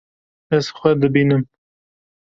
Ez xwe dibînim.